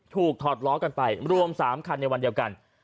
ถอดล้อกันไปรวม๓คันในวันเดียวกัน